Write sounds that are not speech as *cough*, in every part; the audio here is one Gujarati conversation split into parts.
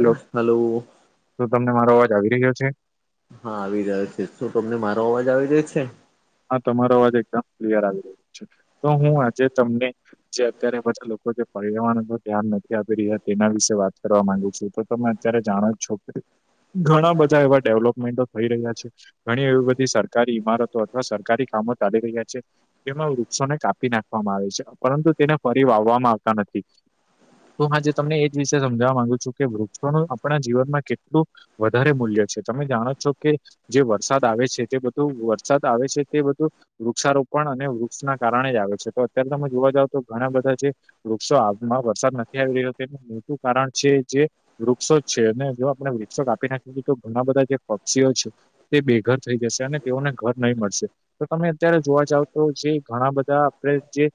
Hello hello. તો તમને મારો અવાજ આવી રહ્યો છે? હા આવી રહ્યો છે. શું તમને મારો અવાજ આવી રહ્યો છે? હા તમારો અવાજ એકદમ ક્લિયર આવી રહ્યો છે. તો હું આજે તમને જે અત્યારે પછા લોકો જે પર્યાવરણ પર ધ્યાન નથી આપી રહ્યા તેના વિશે વાત કરવા માંગુ છું. તમે અત્યારે જાણો જ છો કે ઘણા બધા એવા ડેવલોપમેન્ટો થઈ રહ્યા છે, ઘણી એવી બધી સરકારી ઈમારતો સરકારી કામો ચાલી રહ્યા છે. તેમાં વૃક્ષોને કાપી નાખવામાં આવે છે, પરંતુ તેને ફરી વાવવામાં આવતા નથી. તો હ આજે તમને એ જ વિશે સમજાવવા માંગુ છું કે વૃક્ષોનું આપણા જીવનમાં કેટલું વધારે મૂલ્ય છે તમે જાણો છો કે જે વરસાદ આવે છે તે બધું વરસાદ આવે છે તે બધું વૃક્ષારોપણ અને વૃક્ષના કારણે જ આવે છે. તો અત્યારે તમે જોવા જાવ તો ઘણા બધા જે વૃક્ષો આમાં વરસાદ નથી આવી રહ્યો. તેનું મોટું કારણ છે જે વૃક્ષો જ છે અને જો આપણે વૃક્ષો કાપી નાખી શું તો ઘણા બધા જે પક્ષીઓ છ તે બેઘર થઈ જશે અને તેઓને ઘર નહી મળશે તો તમે અત્યારે જોવા જાવ તો જે ઘણા બધા આપણે જે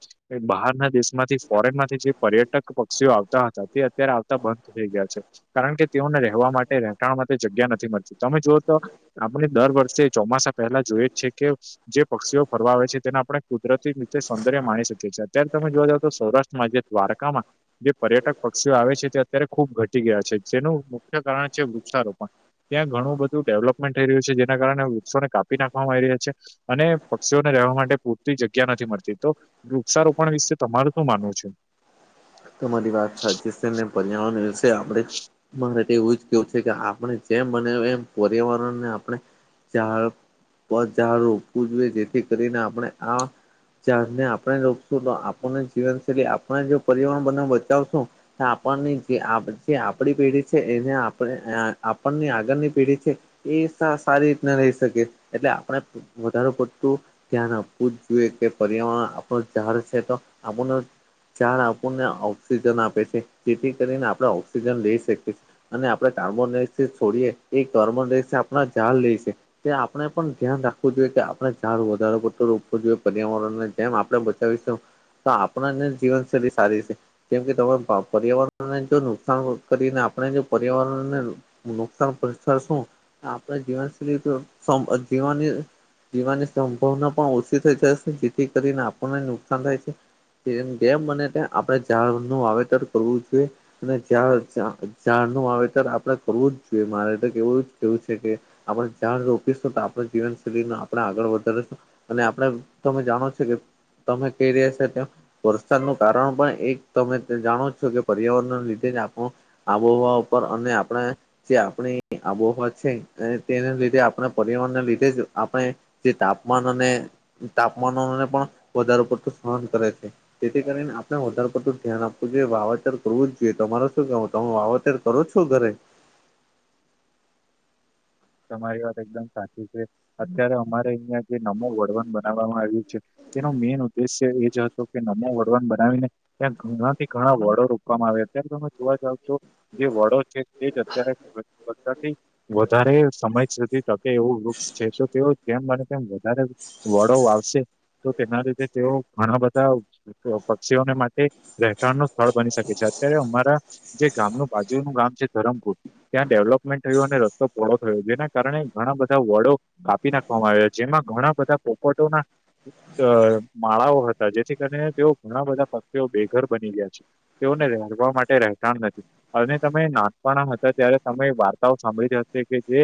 બહારના દેશ માંથી ફોરેન માંથી જે પર્યટક પક્ષીઓ આવતા હતા તે અત્યારે આવતા બંધ થઈ ગયા છે. કારણ કે તેઓને રહેવા માટે રહેઠાણ માટે જગ્યા નથી મળતી તમે જોઓ તો આપણે દર વર્ષે ચોમાસા પહેલા જોઈએ જ છે કે જે પક્ષીઓ ફરવા આવે છે તેને આપણે કુદરતી રીતે સૌંદર્ય માણી શકીએ છીએ. અત્યારે તમે જોવા જાવઓ તો સૌરાષ્ટ્રમાં જે દ્વારકામાં જે પર્યટક પક્ષીઓ આવે છે તે અત્યારે ખુબ ઘટી ગયા છે જેનું મુખ્ય કારણ છે વૃક્ષારોપણ. ત્યાં ઘણું બધું ડેવલપમેન્ટ થઈ રહ્યું છે જેના કારણે વૃક્ષોનેાપી નાખ માં આવી રહ્યા છે અને પક્ષીઓને રહેવા માટે પૂરતી જગ્યા નથી મળતી. તો વૃક્ષારોપણ વિશે તમાર શ માનવું છે? તમારી વાત સાચી છે ને પર્યાવરણશે આપણે મારે એવું જ કેવું છે કે આપણે જેમ બને એમ પર્યાવરણ ને આપણે ઝ ઝાડ રોપવું જોઈએ જેથી કરીને આપણે આ ચને આપણે રોકશું તો આપણને જીવનશૈલી આપણે જો પર્યાવરણ બ બચાવશું આપણ જે જે આપડી પેઢી છે એને આપણની આગળની પેઢી છે. એ સારી રીતને રહી શકે એટલે આપણે વધારે પડતું ધ્યાન આપવું જ જોઈએ કે પર્યાવરણ આપણ ઝાડ છે તો આપણ ઝાડ ને ઓક્સિજન આપે છે જેથી કરીને આપણે ઓક્સિજન લઈ શકીએ છે. અને આપડ કાર્બો ડાયક્સાઇડ છોડીએ એ કાર્બોનડાયોક્સાઈડ આપ ઝાડ લે તે આપણે પણ ધ્યાન રાખવું જોઈએ કે આપણે ઝાડ વધારારે પડતું રોપવું જોઈએ પર્યાવરણને. તેમ આપણે બતાવીશું તો આપણને જીવનશૈલી સારી છે કેમ કે ત પર્યાવરણને જો નુકસાન કરીને આપણે જો પર્યાવરણને નુકસાન પછ છું આપણે જીવન જીવ જીવાની સંભાવના પણ ઓછી થઈ જાય છે જેથી કરીને આપણને નુકસાન થાય છે. જેમ બને આપડણે ઝાડ નું વાવેતર કરવું જોઈએ. અને ઝાડનું વાવેતર આપણેે કરવું જ જોઈએ મારે એવું જ કયું છે કે આપણે ઝાડ રોપીશું તો આપણે જીવનશૈલી આપણે આગળ વધારીશું. અને આપડ તમે જાણો છો કે તમે કઈ રહ્યા છ તેમ વરસાદ નું કારણ પણ એક તમે જાણો છો કે પર્યાવરણ લીધે જ આપ આબોહવા ઉપર અને આપણે જે આપણી આબોહવા છે અને તેને લીધે આપણા પરિવારણને લીધે જ આપણે તે તાપમાન અને તાપમાનોને પણ વધાર પડતું સહન કરે છે તેથી કરીને વધારે પડતું ધ્યાન આપવું જોઈએ વાવેતર કરવું જ જોઈએ. તમારે શું કેવું તમે વાવેતર કરો છો ઘરે? તમારી વાત એકદમ સાચી છે અત્યારે અમારે અહિયાં જે નમું વળવન બનાવવામાં આવ્યું છે. તેનો મેન ઉદેશ્ય એ જ હતો કે નાન વડવન બનાવીને ત્યાં ઘણાથી ઘણા વડો રોકવામાં આવે અત્યારે તમે જોવા જાવ છો. જે વડો છે તે જ અત્યારે બધાથી વધારે સમય સુધી ટકે એવું વૃક્ષ છે. તો તેઓ જે અનેને તેમ વધારે વડો આવશે. તો તેના લીધે તેઓ ઘણા બધા પક્ષીઓને માટે રહેઠાણ નું સ્થળ બની શકે છે અત્યારે અમારા જે ગામનું બાજુનું ગામ છે ધરમપુર ત્યાં ડેવલોપમેન્ટ થયું અને રસ્તો પહોળો જેના કારણે ઘણા બધા વડો કાપી નાખવામાં આવ્યા જેમાં ઘણા બધા પોપટોના અ માળાઓ હતા જેથી કરીને તેઓ ઘણા બધા પક્ષઓ બેઘર બની ગયા છે. તેઓને રહેવા માટે રહેતાણ નથી. અને તમે નાનપણ માં હતા ત્યારે તમે વાર્તાઓ સાંભળી હશે કે જે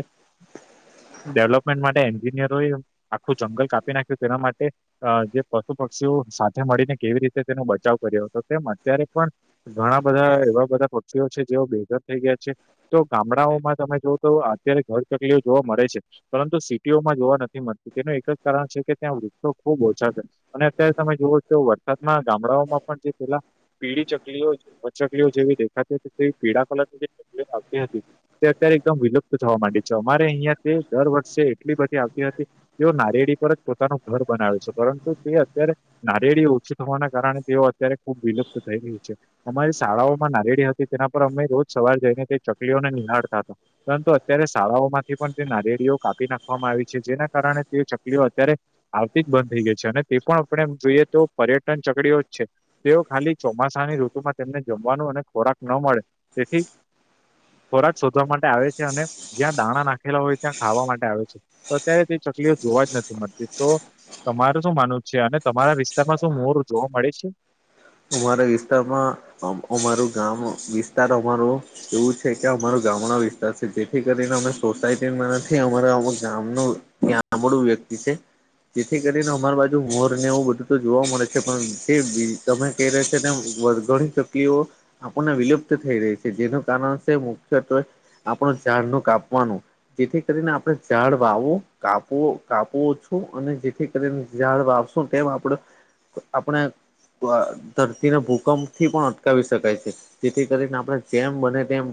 ડેવલપમેન્ટ માટે એન્જિનિયરોએ આખું જંગલ કાપી નાખ્યું તેના માટે અ જે પશુ પક્ષીઓ સાથે મળીને કેવી રીતે તેનો બચાવ કર્યો હતો તેમ અત્યારે પણ ઘણા બધા એવા બધા પક્ષીઓ છે જેઓ બેઘર થઈ ગયા છે. તો ગામડાઓમાં તમે જોવઓ તો અત્યારે ઘર ચકલીઓ જોવા મળે છે. પરંતુ સિટીઓમાં જોવા નથી મળતીું તેનું એક જ કારણ છે કે ત્યાં વૃક્ષો ખુબ ઓછા થાય. અને અત્યારે તમે જુવો છો વરસાદના ગામડાઓમાં પણ જે પેલા પીડી ચકલીઓ વચકલીઓ જેવી દેખાતી હતી તેવી પીડાા કલાકની જે ચકલીઓ આવતી હતી. તે અત્યારે એકદમ વિલુપ્ત થવા માંડી છે અમારે અહિયાં તે દર વર્ષે એટલી બધી આવતી હતી. તેઓ નારયેળી પર જ પોતાનું ઘર બનાવે છે પરંતુ તે અત્યારે નારેળી ઓછી થવાના કારણે તેઓ અત્યારે ખુબ વિલુપ્ત થઈ ગહી છે. અમારી શાળાઓમાં નારેયળી હતી તેના પર અમે રોજ સવાર જઈને તે ચકલીઓને નિહાળતા હતા પરંતુ અત્યારે શાળાઓમાંથી પણ તે નારેળીઓ કાપી નાખવામાં આવી છે જેના કારણે તે ચકલીઓ અત્યારે આવતી જ બંધ થઈ ગઈ છે અને તે પણ આપણે એ જોઈએ તો પર્યટન ચકડીઓ જ છે તેઓ ખાલી ચોમાસાની ઋતુમાં તેમને જમવાનું અને ખોરાક ન મળે તેથી ખોરાક શોધવા માટે આવે છે અને જ્યાં દાણા નાખેલા હોય ત્યાં ખાવા માટે આવે છે તો અત્યારે તે ચકલીઓ જોવા જ નથી મળતી તો તમાર શું માનવું છે અને તમારા વિસ્તારમાં શું મોર જોવા મળે છે અમારા વિસ્તારમાં અમારું ગામ વિસ્તાર અમારો એવું છે કે અમારો ગામડા વિસ્તાર છે જેથી કરીને અમે સોસાયટી અમા ગામ ન ત્યાં મળળું વ્યક્તિ છે જેથી કરીને અમાર બાજુ મોર ને એવું બધું તો જોવા મળે છે પણ જે તમે ક રશે ને વઘણી શકલીઓ આપણને વિલુપ્ત થઈ રહી છે જેનું કારણ છે મુખ્યત્વે આપણું ઝાડનુંું કાપવાનું જેથી કરીને આપડણે ઝાડ વાવું કાપવ કાપવું ઓછું અને જેથી ડ વા આપશું તેમ આપડ આપણે ધરતીને ભૂકંપ થી પણ અટકાવી શકાય છે જેથી કરીને આપણે જેમ બને તેમ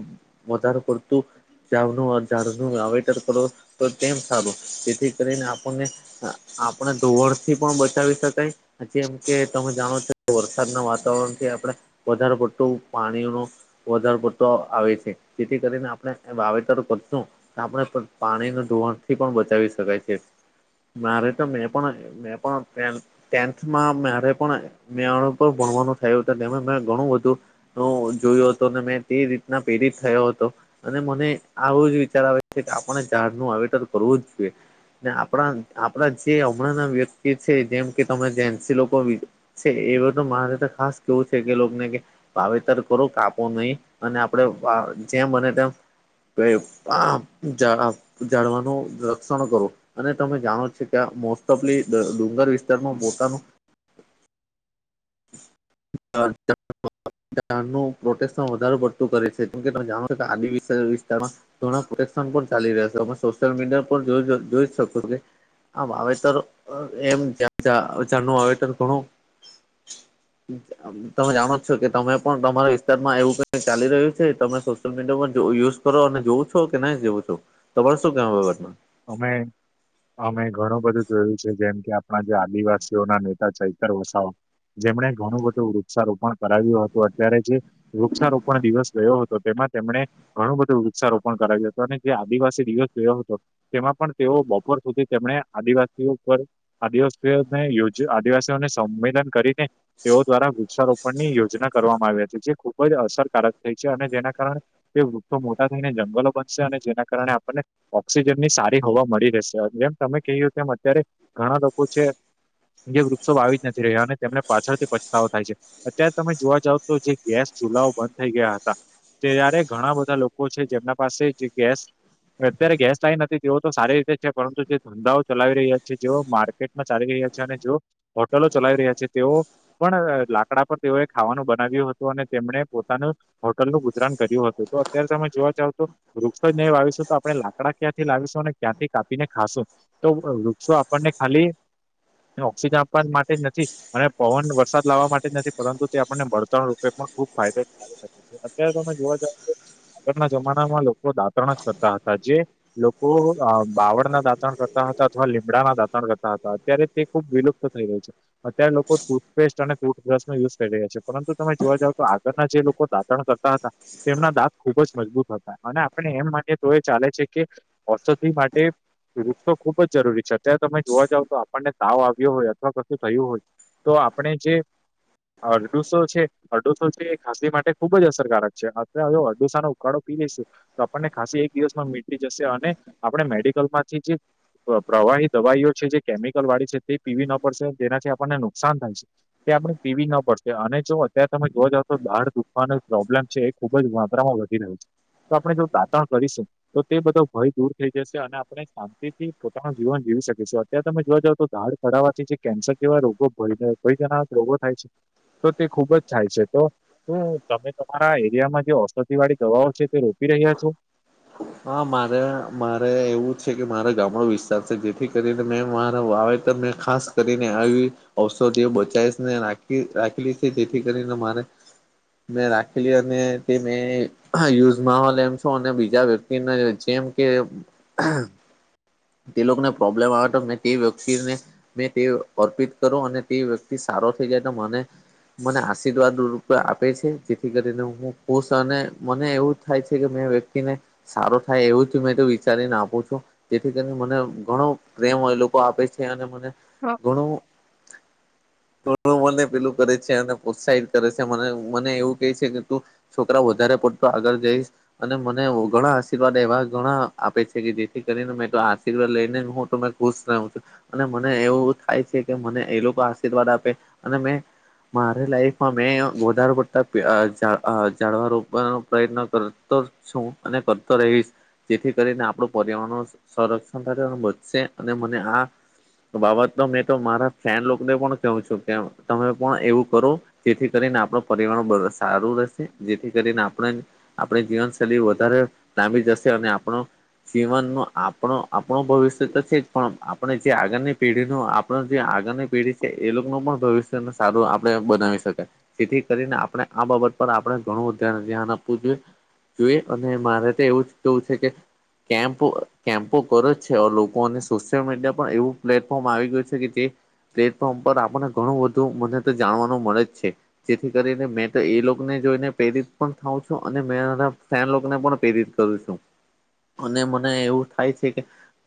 વધારે પડતું જનું ઝાડનું વાવેતર કરો તો તેમ સારું જેથી કરીને આપણને આપણે ધોવર થી પણ બચાવી શકાય જેમ કે તમે જાણો છો વરસાદના વાતાવરણથી આપણે વધારે પડતું પાણીનું વધાર પડતો આવે છે જેથી કરીને આપણે વાવેતર કરશું આપણે પણ પાણી ન ધોવાણ થી પણ બચાવી શકાય છે મારે તો મેં પણ મેં પણ ટેન્થમાં મારે પણ મેણું પણ ભણવાનું થયું હત તે મેં ઘણું બધું હું જોયું હતોું અનેને મેં તે રીતના પેરિત થયો હતો અને મને આવો જ વિચાર આવે છે કે આપને ઝાડનું વાવેતર કરવું જ જોઈએ ને આપણા આપડા જે હમણાં ના વ્યક્તિ છે જેમ કે તમે જેન્સી લોકો બીજું છે એવ તો મારે તો ખાસ કેવું છે કે લોકોને કે વાવેતર કરો કાપો નહી અને આપણે જેમ બને તેમ કે આ જાડવાનું રક્ષણ કરો અને તમે જાણો છે કે મોસ્ટ ઓફ ડુંગર વિસ્તારમાં પોતાનું અ ચ પ્ર વધ પડતું કરે છે કેમ કે તમે જાણો છો કે આ વિસ્તારમાં ઘોણા પ્રોટેક્શન પણ ચાલી રહ્યા છે અમે સોશિયલ મીડિયા પર જોઈ શક કે આમ આવે તો એમ જનું આવે તો ઘણું હચ તમે જાણો છો કે તમે પણ તમારા વિસ્તારમાં એવું ક ચાલી રહ્યું છે તમે સોશિયલ મીડિયા યુઝ કરો અને જોવું છો કે નહી જવું છો તમારે શું કેવાય વગટમાં અમે અમે ઘણું બધું જોયું છે જેમ કે આપણા જે આદિવાસીઓ ના નેતા ચૈતર વસાઓ જેમણે ઘણું બધું વૃક્ષારોપણ કરાવ્યું હતું અત્યારે જે વૃક્ષારોપણ દિવસ ગયો હતો તો તેમાં તેમણે ઘણું બધું વૃક્ષારોપણ કરાવ્યું હતું અને જે આદિવાસી દિવસ જોયો હતો તેમાં પણ તેઓ બપોર સુધી તેમણે આદિવાસીઓ પર આદિવાસીઓને યો આદિવાસીઓને સંમેલન કરીને તેઓ દ્વારા વૃક્ષારોપ પણ ની યોજના કરવામાં આવ્યા છે જે ખુબ જ અસરકારક થઈ છે અને જેના કારણે તે વૃક્ષો મોટા થઈને જંગલો જેમની સારી હવા મળી રહેશે જેમ તમે કહ્યું તેમ અત્યારે ઘણા લોકો છે એ વૃક્ષો આવી જ નથી રહ્યા અને તેમને પાછળથી પછતાવો થાય છે અત્યારે તમે જોવા જાવ તો જે ગેસ ચૂલાઓ બંધ થઈ ગયા હતા ત્યારે ઘણા બધા લોકો છે જેમના પાસે જે ગેસ અત્યારે ગેસ કઈ નથી તેઓ તો સારી રીતે છે પરંતુ જે ધંધાઓ ચલાવી રહ્યા છે, જેઓ માર્કેટમાં ચાલી રહ્યા છે અને જો હોટલો ચલાવી રહ્યા છે તેઓ પણ લાકડા પર તેઓએ ખાવાનું બનાવ્યું હતું અને તેમણે પોતાનું હોટલનું ગુજરાન કર્યું હતું. તો અત્ય્યારે સમમે જોવા જાવ તો, વૃક્ષો જ નહીં વાવીશું તો આપણે લાકડા ક્યાંથી લાવીશું અને ક્યાંથી કાપીને ખાશું. તો વૃક્ષો આપણને ખાલી એ ઓક્સિજન આપવા જ માટે નથી. અને પવન વરસાદ લાવવા માટે જ નથી પરંતુ તે આપણને બળતણ રૂપે પણ ખુબ ફાયદે અત્યારે તમે જોવા જાવ તો આગળના જમાનામાં લોકો દાંતરણ જ કરતા હતા જે લોકો આ બાવળ ના દાંતણ કરતા હતા અથવા લીમડાના દાંતણ કરતા હતા. અત્યારે તે ખુબ વિલુપ્ત થઈ રહ્યુ છે. અત્યારે લોકો સુથપેસ્ટ અને ટુથબ્રશ નો યુઝ કરી રહ્યા છે પરંતુ તમે જોવા જાવ તો આગળના જે લોકો દા તણ કરતા હતા, એમના દાંત ખુબ જ મજબૂત હતા અને આપણે એમ માનીએ તો એ ચાલે છે કે ઔષધિ માટે વૃક્ષો ખુબ જ જરૂરી છે અત્યારે તમે જોવા જાવ તો આપણને તાવ આવ્યો હોય અથવા કશું થયું હોય તો આપણે જે અરડુસો છે અડોસો છે એ ખાંસી માટે ખુબ જ અસરકારક છે, અ અડોસા નો કાળો પી લઈશું, તો આપણને ખાાસ એક દિવસમાં મીટી જશે અને આપણે મેડિકલ માંથી જે પ્રવાહી દવાઈઓ છે જે કેમિકલ વાળી છે તે પીવી ન પડશે જેનાથી આપણને નુકસાન થાય છે. તે આપણે પીવી ન પડશે અને જો અત્યારે તમે જો જાાવ તો દાળ દુખવાનો પ્રોબ્લેમ છે. ખુબ જ માત્રામાં વધી રહ્યું છે. તો આપણે જો દાંતણ કરીશું તો તે બધો ભય દૂર થઈ જશે અને આપણે શાંતિથી પોતાનું જીવન જીવી શકી શું. અત્યારે તમે જોવા જાવ તો દાઢ ખડવાથી જે કેન્સર જેવા રોગો ભય કોઈ જનાક રોગો થાય છે, તો તે ખુબ જ થાય છે તો તો તમે તમારા એરિયામાં જે ઔષધિ વાળી દવાઓ છે તે રોપી રહ્યા છો? હા મારે મારે, એવું છે કે મારે ગામડો વિસ્તાર છે જેથી કરીને મે મારા વાવેતર ને ખાસ કરીને આવી ઔષધિ બચાઇસ ને રાખી રાખેલી સે જેથી કરીને મારે મેં રાખેલી અને તે મે, યુઝ માહોલ એમ સુ અને બીજા વ્ય ક્તિને જેમ કે તે લોકોન પ્રોબ્લેમ આવે તો મેં તે વ્યક્તિને મે તે અર્પિત કરુ અને તે વ્યક્તિ સારો થઈ જાય તો મને મને આશીર્વાદ રૂપે આપે છે જેથી કરીને હું ખુશ અને મને એવું થાય છે કે મેં વ્યક્તિને સારો થાય એવું જ મેં વિચારીને આપું છું. જેથી કરીને મને ઘણો પ્રેમ એ લોકો આપે છે અને મ ને ઘણું *unintelligible* મને પેલું કરે છે અને પ્રોત્સાહિત કરે સે, મને મને એવું કે છે કે તું છોકરા વધારે પડતો આગળ જઈશ અને મને ઓ ઘણા આશીર્વાદ એવા ઘણા આપે છે કે જેથી કરીને મેં તો આશીર્વાદ લઈને જ હું તો મે ખુશ રઉ છું. અને મને એવું થાય છે કે મને એ લોકો આશીર્વાદ આપે અને મેં મારે લાઈફમાં મેં વધારે પડતા પે અ ઝા અ ઝાળવા રોપવાનો પ્રયત્ન કરતો શું અને કરતો રહીશ. જેથી કરીને આપણું પર્યાવરણનું સંરક્ષણ થશે અને બચશે અને મને આ બાબત તો મેં તો મારા ફ્રેન લોકોને પણ કહું છું કે તમે પણ એવું કરો જેથી કરીને આપણ પર્યાવરણ સારું રહેશે, જેથી કરીને આપણે આપણી જીવનશૈલી વ ધારે લાંબી જશે અને આપણો જીવન માં આપણો આપણો ભવિષ્ય તો છે જ પણ આપણે જે આગળની પેઢીનું આપ ણ જે આગળની પેઢી છે એ લોકોનું પણ ભવિષ્યને સારું આપડણે બનાવી શકાય. જેથી કરીને આપણે આ બાબત પર આપણે ઘણુ ધ્યા ધ્યાન આપવું જોઈએ જોઈએ. અને મારે તો એવું જ કવું છે કે કેમ્પ કેમ્પો કરે જ છે લોકો અને સોશિયલ મીડિયા પણ એવું પ્લેટફોર્મ આવી ગ્યું છે કે જે પ્લેટફોર્મ પર આપણને ઘણું બધું મને તો જાણવાનું મળે જ છે. જેથી કરીને મેં તો એ લોકોને જોઈને પ્રેરિત પણ થાવં છું અને સ્લોને પણ પ્રેરિત કરું છું અને મને એવું થાય છે કે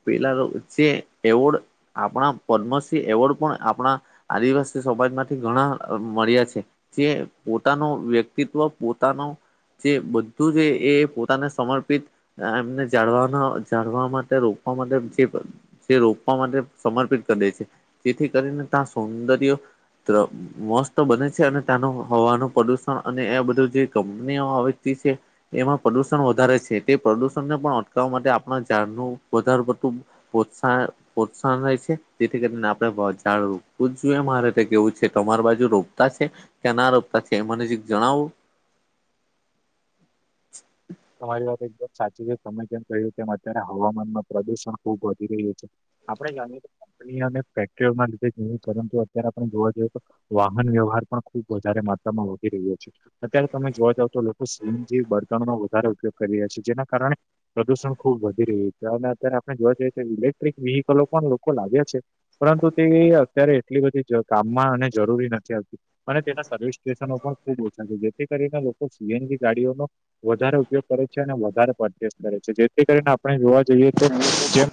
પેલા જે એવોર્ડ આપણા પદ્મશ્રી એવોર્ડ પણ આપણા. આદિવાસી સમાજ માંથી ઘણા મળ્યા છે જે પોતાનું વ્યક્તિત્વ પોતાનો જે તું જે એ પોતાને સમર્પિત એમને જાળવાના જાળવા માટે રોકવા માટે જે જે રોપવા માટે સમર્પિત કરીે છે જેથી કરીને ત્યાં સૌંદર્ય મસ્ત બને છે અને તનું હવાનું પ્રદુષણ અને એ બધું જે કંપનીઓ આવેતી છે એમાં પ્રદુષણ વધારે છે તે પ્રદુષણને પણ અટકાવવા માટે આપણા ઝાડનું વધાર પડતું પ્રોત્સાહ પ્રોત્સાહન રહે છે જેથી કરીને આપડે ઝાડ રોપવું જ જોઈએ મારે કેવું છે તમારી બાજુ રોપતા છે ત્યાં ના રોપતા છે મને જે જણાવું *inaudible* તમારી વાત એકદમ સાચી છે તમે જેમ કહ્યું કે અત્યારે હવામાનમાં પ્રદુષણ ખુબ વધી રહ્યું છે આપણે જાણીએ તો કંપની અને ફેક્ટરીઓ ના લીધે જો પરંતુ અત્યારે આપણે જોવા જઈએ તો વાહન વ્યવહાર પણ ખુબ વધારે માત્રામાં વધી રહ્યો છે અત્યારે તમે જોવા જાવ તો લોકો સીમ જેવી બર્તનનો વધારે ઉપયોગ કરી રહ્યા છે જેના કારણે પ્રદુષણ ખુબ વધી રહ્યું છે અને અત્યારે આપણે જોવા જઈએ તો ઇલેક્ટ્રિક વેહીિકલો પણ લોકો લાવ્યા છે પરંતુ તે અત્યારે એટલી બધી કામમાં અને જરૂરી નથી આવતી અને તેના સર્વિસ સ્ટેશનો પણ ખુબ ઓછા છે જેથી કરીને લોકો સીએનજી ગાડીઓનો વધારે ઉપગ કરે છે અને વધારે પરચેસ કરે છે જેથી કરીને આપણે જોવા જઈએ તો જેમ